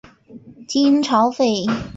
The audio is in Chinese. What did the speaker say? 金朝废。